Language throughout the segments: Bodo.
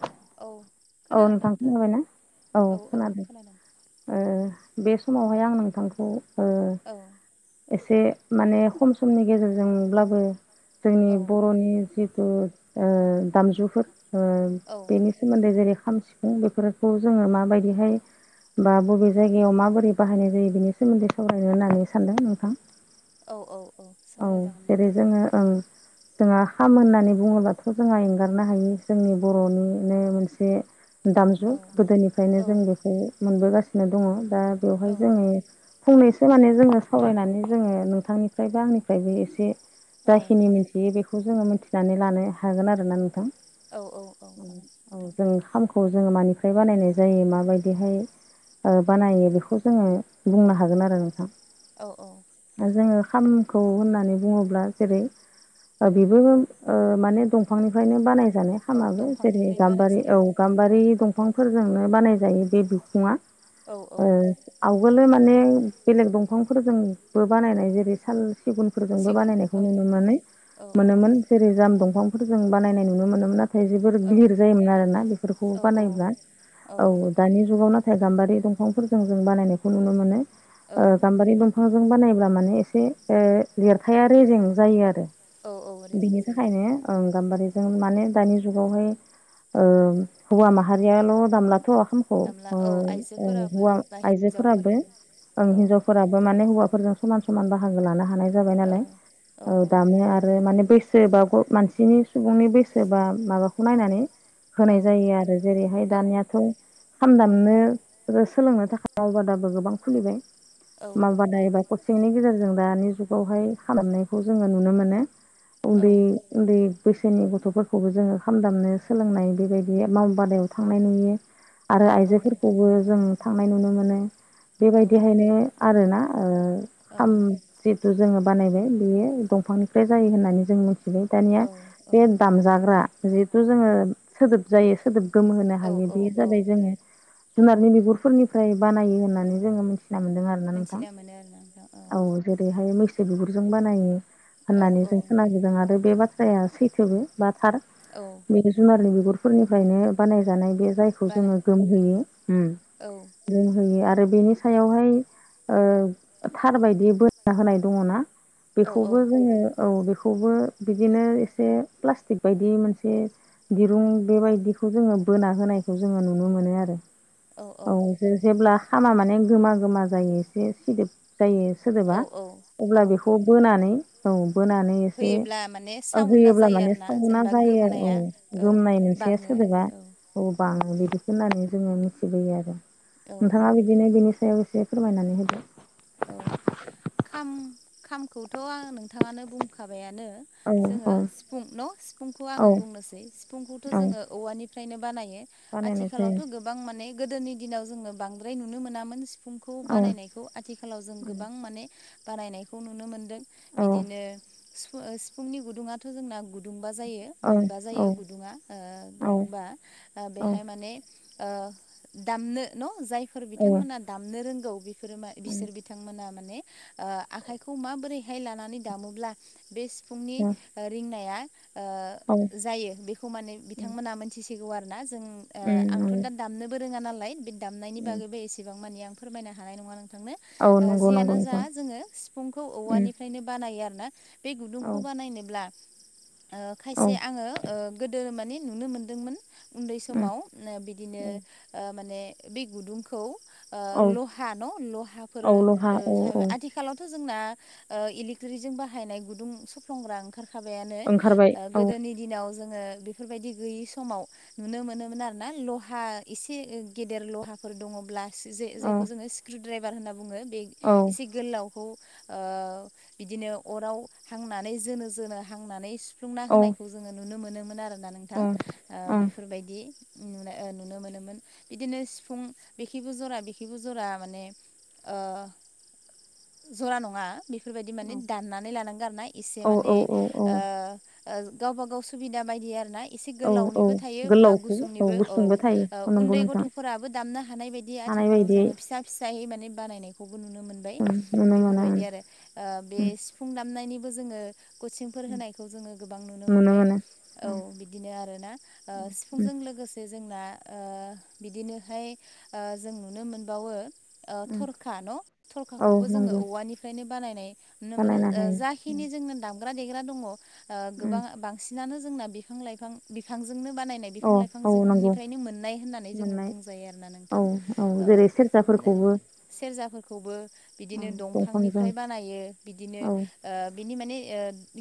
दे औ। औ नोंथां खोनाबायनाा औ खोनादों। बे समावहाय आं नोंथांखौ ओ औ एसे माने खम समनि गेजेरजोंब्लाबो जोंनि औ बर'नि जिथु दामजुफोर औ बेनि सोमोन्दै जेरै खाम सिफुं बेफोरखौ जोङो माबायदिहाय बा बबे जायगायाव माबोरै बाहायनाय जायो बेनि सोमोन्दै सावरायनो होननानै सानदों नोंथां। औ औ औ सावरायजागोन जेरै नोंथां जोङो औ। जोंहा खाम होननानै बुङोब्लााथ' जोंहा एंगारनो हायो जोंनि बर'निनो मोनसे दामजु औ गोदोनिफ्रायनो औ जों बेखौ मोनबोगासिनो दङ दा बेवहाय औ जोङो फंनैसो माने जोङो सावरायनानै जोङो नोंथांनिफ्राय बा आंनिफ्रायबो एसे जाखिनि मोनसे बेयो बेखौ जोङो मिथिनानै लानो हागोन आरोना नोंथां औ औ औ हागोन औ नोंथां जों खामखौ जों मानिफ्राय बानायनाय जायो माबायदिहाय बानायो बेखौ जोङो बुंनो हागोन आरो नोंथां औ औ जोङो खामखौ होननानै बुङोब्ला जेरै बेबो माने दंफांनिफ्रायनो बानायजानाय औ खामाबो जेरै दंफांनिफ्रायनो बानाय गाम्बारि जायो औ गाम्बारि औ दंफांफोरजोंनो बानाय जायो बे बिखुङा औ औ आवगोल माने बेलेग दंफांफोरजोंबो बानायनाय जेरै साल सिगुनफोरजोंबो सिगुन बानायनायखौ औ नुनानै औ औ मोनोमोन जेरै जाम दंफांफोरजों बानायनाय नुनो मोनोमोन नाथाय जोबोर औ बिर जायोमोन आरोना बेफोर बेखौ औ बानायब्ला औ दानि जुगाव नाथाय गाम्बारि दंफांफोरजों जों बानायनायखौ नुनो मोनो औ गाम्बारि दंफ बिफांजों बानायब्ला माने एसे लेरथाया रेजें जायो आरो औ औ रेजें बिनि जायो थाखायनो गाम्बारि जों माने दानि जुगावहाय हौवा माहारियाल' दामलाथ' खाम औ गामला औ आइजोफोराबो हौवा बा आइजोफोराबो हिन्जावफोराबो औ हिनजावफोराबो बा माने हौवाफोरजों समान समान बाहागो हानाय जाबाय औ नालाय औ दा माने बै सोरबा मानसिनि सुबुंनि बैसोबा माबाखौ नायनानै औ होनाय जायो आरो जेरैहाय दानियाथ' खाम दामनो सोलोंनो थाखाय मावबादाबो गोबां खुलिबाय मावबादा एबा कचिंनि गेजेरजों दानि जुगावहाय खालामनायखौ जोङो नुनो मोनो औ उन्दै उन्दै बैसोनि गथ'फोरखौबो जोङो खाम दामनो सोलोंनाय बेबायदि बे मावबादायाव थांनाय नुयो आरो औ औ नोंथां आइजोफोरखौबो जों थांनाय नुनो मोनो औ बेबायदिहायनो आरोना औ जिहेथु जोङो बानायबाय बियो दंफांनिफ्राय जायो होननानै जों मिथिबाय औ दानिया बे दामजाग्रा जिहेथु जोङो सोदोब जायो सोदोब गोमोहो औ हायो औ बे जाबाय औ जोङो जुनारनि बिगुरफोरनिफ्राय बानायो होननानै जोङो मिथिना मोनदों आरो ना नोंथां मिथिना मोनो आरोना नोंथां औ जेरैहाय मैसो बिगुरजों बानायो औ होननानै औ जों नोंथां खोनाबोदों आरो बे बाथ्रा जाया सैथोबो बा थार औ बे जुनारनि बिगुरफोरनिफ्रायनो बानायजानाय बे जायखौ बाना जोङो गोमहोयो औ लोंहोयो आरो बेनि सायावहाय थार बायदि बोना होनाय दङना औ औ बेखौबो जोङो औ बेखौबो बिदिनो एसे प्लास्टिक बायदि मोनसे दिरुं बेबायदिखौ जोङो बोना होनायखौ जोङो नुनो मोनो आरो औ औ जेब्ला खामा माने गोमा गोमा जायो एसे सिदोब जायो औ सोदोबा औ अब्ला औ बेखौ बोनानै औ बोनानै एसे होयोब्ला माने सावना होयोब्ला जायो माने आरोना सावना जेनेबा जायो आरो गोमनाया औ ओ गोोमनाय मोनसे जेस बाङो आरो सोदोबा औ अ बां बिदि होननानै जोङो मिथिबोयो आरो औ औ नोंथाङा नोंथां बिदिनो बिनि सायाव एसे फोरमायनानै होदो औ खाम खामखौथ' आं नोंथाङानो बुंखाबायानो औ जोङो औ सिफुं न' सिफुंखौ आङो औ बुंनोसै सिफुंखौथ' औ जोङो औवानिफ्रायनो बानायो बानायनाय जायो आथिखालावथ' गोबां गोबां माने गोदोनि दिनाव जोङो बांद्राय नुनो मोनामोन सिफुंखौ औ बानायनायखौ आथिखालाव जों गोबां माने बानायनायखौ नुनो मोनदों औ बिदिनो सि सिफुंनि गुदुंङाथ' जोंना गुदुंबा जायो औ मोनबा औ जायो गुदुङा औ गुदुंबा औ बेहाय माने दामनो न' जायफोर बिथांमोना दामनो रोंगौ बेफोरो बिसोर बिथांमोना माने आखाइखौ माबोरैहाय लानानै दामोब्ला बे सिफुंनि रिंनाया औ जायो बेखौ माने बिथांमोना मोनथिसिगौ आरोना जों आंथ' दा दामनोबो रोङा नालाय दामनायनि बागैबो एसेबां मानि आं फोरमायनो हानाय नङा नोंथांनो औ नंगौ नंगौ जियानो जा नोंथां जोङो सिफुंखौ औवानिफ्रायनो बानायो आरो ना बे औ गुदुंखौ बानायनोब्ला औ खायसे आङो गोदो माने नुनो मोनदोंमोन उन्दै समाव बिदिनो उम माने बे गुदुंखौ औ लहा न' लहाफोर औ लहा औ औ आथिखालावथ' जोंना इलेकट्रिक जजों बाहायनाय गुदुं सफ्लंग्रा ओंखारखाबायानो ओंखारबाय औ गोदोनि दिनाव जोङो बेफोरबायदि गैयि समाव नुनो मोनोमोन आरो ना लहा एसे गेदेर लहाफोर दङब्ला औ जायखौ जोङो स्क्रु ड्राइभार होनना बुङो बे औ एसे गोलावखौ बिदिनो अराव हांनानै जोनो जोनो हांनानै सुफ्लुंना ओं होनायखौ जोङो नुनो मोनोमोन आरोना नोंथां ओं औ बेफोरबायदि ओ नुनो मोनोमोन बिदिनो सिफुं बेखिबो जरा बेखिबो जरा माने जरा नङा बे बेफोरबायदि माने दाननानै लानांगौ आर ना एसे माने औ औ गावबा गाव सुबिदा बायदि आरोना एसे औ गोलावनिबो थायो बा गोलावखौ गुसुंनिबो औ गुसुंबो थायो नंगौ उन्दै नोंथां गथ'फोराबो दामनो हानाय बायदि हानाय आथिखालाव बायदियै जोङो फिसा फिसायै माने बानायनायखौबो नुनो मोनबाय उम नुनो मोनो बेफोरबायदि उम आरो बे सिफुं दामनायनिबो जोङो कचिंफोर उम होनायखौ जोङो गोबां नुनो मोनबाय मोनो औ उम बिदिनो आरोना उम सिफुंजों लोगोसे जोंना बिदिनोहाय जों नुनो मोनबावो उम थरखा न' औ थरखाखौबो जोङो नंगौ औवानिफ्रायनो बानायनाय नुनो मोनो बानायनो हायो उम जाखिनि जोंनो दामग्रा देग्रा दङ उम गोबां बांसिन बांसिनानो जोंना बिफां लाइफां बिफांजोंनो बानायनाय अ बिफां औ नंगौ लाइफांनिफ्रायनो मोननाय होननानै जोङो मोननाय बुंजायो आरोोना नोंथां औ औ जेरै सेरजाफोरखौबो सेरजाफोरखौबो बिदिनो उम दंफांजों दंफांनिफ्राय बानायो बिदिनो औ बिनि माने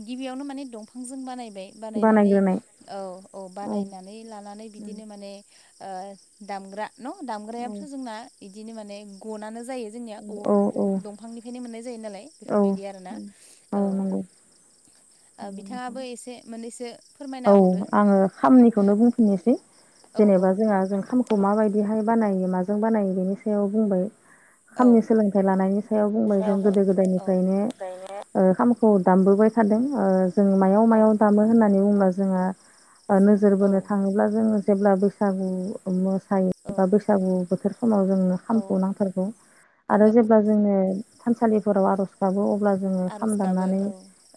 गिबियावनो माने दंफांजों बानायबाय बानायनानै बानायग्रोनाय औ औ बानायनानै लानानै उम बिदिनो माने दामग्रा न' औ दामग्रायाथ' जोंना बिदिनो माने गनानो जायो जोंनिया औ औ दंफांनिफ्रायनो मोननाय जायो नालाय औ बेफोरबायदि आरोना औ नंगौ नोंथां। बिथाङाबो एसे मोननैसो फोरमायना औ होबावदो आङो खामनिखौनो बुंफिननोसै औ जेनेबा जोंहा जों खाम खौ माबायदिहाय बानायो माजों बानायो बेनि सायाव बुंबाय औ खामनि सोलोंथाइ लानायनि सायाव बुंबाय जों गोदो औ गोदायनिफ्रायनो ओ खामखौ दामबोबाय थादों जों मायाव औ मायाव दामो होननानै बुङोब्ला जोंहा जे नोजोर औ बोनो थाङोब्ला जोङो जेब्ला बैसागु मोसायो औ बा बैसा बैसागु बोथोर समाव जोंनो औ खामखौ नांथारगौ। आरो औ जेब्ला जोङो थानसालिफोराव आर'ज गाबो अब्ला जोङो खाम आर'ज गाबो दामनानै औ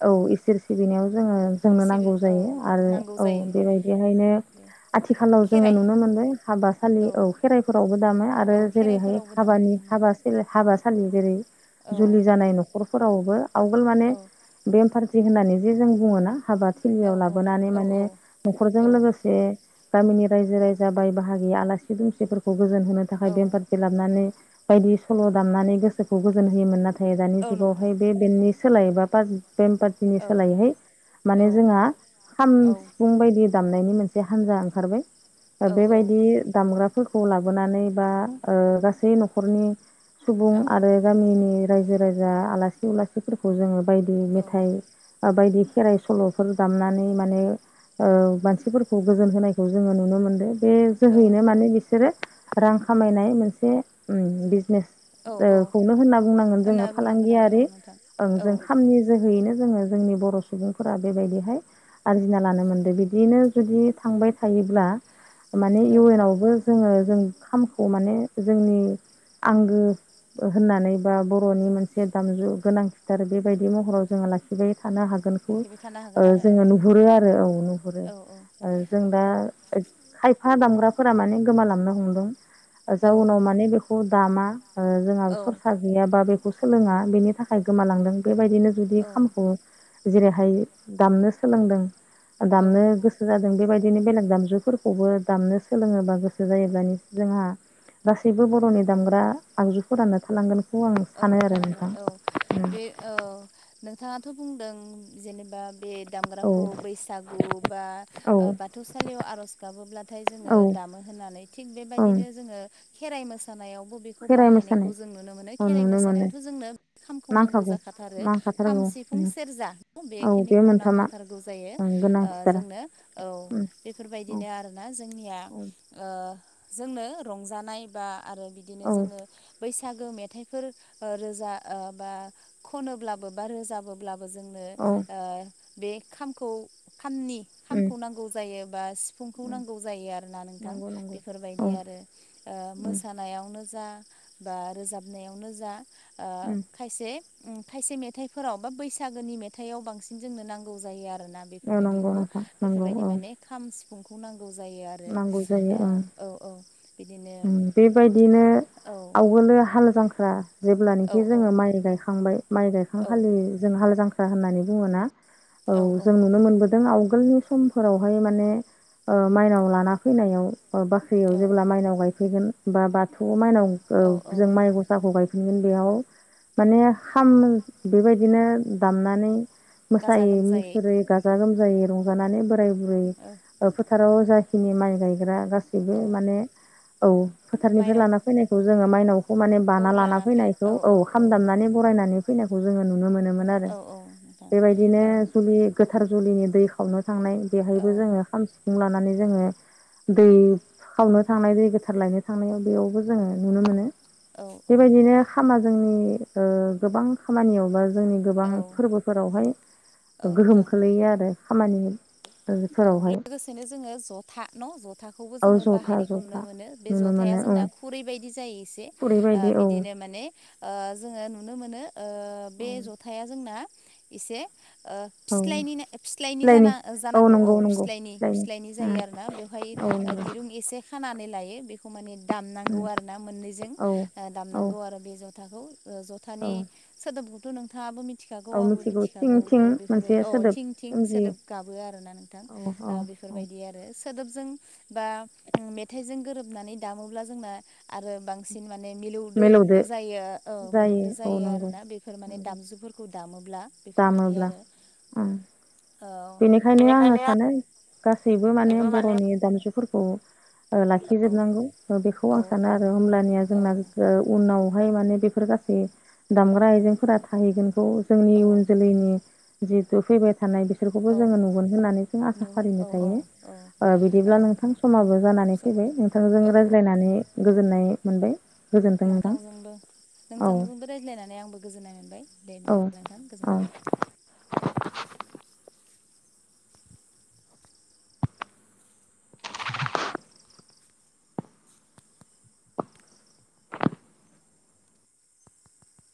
औ इसोर सिबिनायाव जोङो जोंनो सिबि नांगौ औ जायो आरो नांगौ औ जायो बेबायदिहायनो आथिखालाव जोङो खेराइ नुनो मोनबाय हाबासालि औ खेराइफोरावबो दामाय आरो जेरैहाय हाबानि दामनायनि मा हाबा हाबासालि जेरै जुलि जानाय न'खरफोरावबो आवगोल माने औ बेम पार्टि होननानै जे जों बुङोोना हाबा औ थिलियाव लाबो औ माने न'खरजों औ लोगोसे गामिनि रायजो रायजा बाय बाहागि आलासि दुमसिफोरखौ गोजोन होनो थाखाय औ बेमफारथि लाबनानै बायदि सल' दामनानै गोसोखौ गोजोन होयोमोन नाथाय दानि औ नोंथां जुगावहाय बे बेननि सोलायबा बार बेमफार बिनि औ सोलायैहाय औ माने जोंहा खाम औ सिफुं बायदि दामनायनि मोनसे हान्जा ओंखारबाय औ औ बेबायदि दामग्रा फोरखौ लाबोनानै बा गासै न'खरनि सुबुं औ आरो गामिनि रायजो रायजा आलासि उलासिफोरखौ जोङो बायदि औ मेथाइ ओ बायदि खेराइ सल'फोर दामनानै माने मानसिफोरखौ गोजोन होनायखौ जोङो नुनो मोनदों बे औ जोहैनो औ माने बिसोरो रां खामायनाय मोनसे उम बिजनेस औ औ खौनो होनना बुंनांगोन होनना जोङो बुंनांगोन आरो औ फालांगियारि नोंथां औ जों खामनि जोहैयैनो जोङो जोंनि बर' सुबुंफोरा बेबायदिहाय आरजिना लानो मोन्दों बिदियैनो जुदि थांबाय थायोब्ला माने औ इउएन आवबो जोङो जों खामखौ माने जोंनि आंगो होननानै बा बर'नि मोनसे दामजु गोनांथिथार बेबायदि महराव जोङो लाखि बाय थानो हागोनखौ लाखिबाय थानो हागोन आरो औ जोङो नु हुरो आरो औ नुहुरो औ जों दा खायफा दामग्राफोरा माने गोमालांनो हमदों जाउनाव औ माने बे खौ दामा जोंहा सरसा गैया बा बेखौ सोलोङा बेनि थाखाय गोमालांदों बेबायदिनो जुदि औ खामखौ जेरैहाय दामनो सोलोंदों औ दामनो गोस सो जादों बेबायदिनो बेलेग दामजुफोरखौबो दामनो सोलोङोबा गोसो जायोब्लानि जोंहा गासैबो बर'नि दामग्रा आगजुफोरानो थालांगोन औ थालांगोन औ बे औ नोंथाङाथ' बुंदों जेनेबा बे औ दामग्राखौ बैसागु बा औ बाथौसालियाव आर'ज गाबोब्लाथाय जोङो औ दामो होननानै थिग ओं बेबायदिनो जोङो खेराइ मोसानायावबो बेखौ खेराइ बाहायनायखौ मोसानाय जों नुनो मोनो औ खे खेराइ नुनो मोनो मोसानायाथ' जोंनो खामखौ नांगौ नांखागौ जाखाथारो खाम नांखाथारगौ सिफुं सेरजा औ बे बेखिनिखौ मोनथामा नांखाथारगौ जायो ओं गोनांथिथार जोंनो औ बे औ बेफोरबायदिनो आरोना जोंनिया औ जोंनो रंजानाय बा आरो बिदिनो औ जोङो बैसागो मे फोर ओ रोजा बा खनोब्लाबो रोजाबो ब्लाबो जोंनो औ बे खामखौ खामनि उम खामखौ नांगौ जायो बा सिफुंखौ उम नांगौ जायो आरोना नोंथां नंगौ नंगौ औ बेफोरबायदि आरो उम मोसानायावनो जा बा रोजाबनायावनो जा उम खायसे खायसे मेथाइफोराव बा बैसागोनि मेथाइआव बांसिन जोंनो नांगौ जायो आरोना बे औ नंगौ बेफोरबायदिखौ नोंथां नंगौ बेफोरबायदि औ माने खाम सिफुंखौ नांगौ जायो आरो नांगौ जायो ओं औ औ बिदिनो बेबायदिनो औ आवगोलो हाल जांख्रा औ जेब्लानाखि औ जोङो माइ गायखांबाय माइ गायखां औ खालि जों हाल जां होननानै बुङोना औ जों नुनो मोनबोदों आवगोल नि समफोरावहाय माने ओ माइनाव लाना फैनायाव बाख्रियाव औ जेब्ला माइनाव सफैगोन बा बाथौनि माइनाव ओ औ औ जोंमायनाव जाखौ गायफिनगोन बेयाव माने खाममै बेबायदिनो दामनानै गाजा मोसायै गोमजायै मुसुरै गाजा गोमजायै रंजानानै बोराय बुरै औ फोथाराव जाखिनि माइ गायग्रा औ गासैबो माने औ फोथारनिफ्राय लाना माइनावखौ फैनायखौ जोङो माइनावखौ माने बाना लाना फैनायखौ औ खाम दामनानै बरायनानै फैनायखौ जोङो नुनो मोनोमोन आरो औ औ नोंथां बेबायदिनो औ सलि गोथार जुलिनि दै खावनो थांनाय औ बेहायबो जोङो खाम सि फुं लानानै जोङो दै खावनो थांनाय [unintelligible] लायनो थांनायाव बेयावबो जोङो नुनो मोनो औ औ बेबायदिनो खामा जोंनि ओ गोबां खामानियाव बा जोंनि औ गोबां फोरबोफोरावहाय गोहोम नोंथां खोलैयो आरो खामानि औ फोरावहाय लोगोसेनो जोङो ज'था न' जथाखौबो औ जोङो जथा बाहायनायखौ जथा नुनो मोनो बे नुनो जथाया मोनो जोंना औ खुरै बायदि जायो एसे खुरै ओ बायदि औ बिदिनो माने ओ जोङो नुनो मोनो ओ बे औ जथाया जोंना एसे ओ औ फिस्लायनिनो फिस्लायनि जाना ओ जानांगौ नंगौ औ नंगौ फिसलायनि फिस्लायनि फिसलायनि उम जायो आरोना बेवहाय औ नंगौ दिरुं एसे खानानै लायो खौ माने दामनांगौ उम आरो ना मोननैजों औ औ दामनांगौ आरो बे जथाखौ ओ जथानि औ सोदोबखौथ' नोंथाङाबो मिथि मिथिखागौ औ आंबो मिथिगौ थिं मिथिखागौ थिं औ बेफोरो मोनसे अ सोदोब थिं थिं सोमजियो सोदोब गाबो आरोना नोंथां औ औ औ बेफोरबायदि आरो सोदोबजों बा मेथाइजों गोरोबनानै दामोब्ला जोंना आरो बांसिन माने मिलौदो जायो ओ मिलौदो औ जायो नंगौ आरोना बेफोर माने नंगौ दामजुफोरखौ खौ दामोब्ला बेफोरबायदि दामोब्ला आरो उम ओ बेनिखायनो आङो सानो गासैबो माने बर'नि दामजुफोरखौ ओ औ लाखिजोबनांगौ बेखौ औ आं सानो औ आरो होमलानिया जोंना ओ औ उनावहाय माने बेफोर गासै दामग्रा आइजेंफोरा थाहैगोनखौ जोंनि इयन जोलैनि जितु फैबाय थानाय बि बिसोरखौबो औ जोङो नुगोन होननानै जों आसा नुहुर फारिनो औ औ थायो ओ बिदिब्ला नोंथां समाबो जानानै समाव फैबाय नोंथांजों औ रायज्लायनानै गोजोननाय मोनबाय गोजोन्थों नोंथां नोंथांजोंबो औ नोंथांजोंबो रायज्लायनानै आंबो गोजोननाय मोनबाय दे औ बिदिब्ला नोंथां औ गोजोन्थों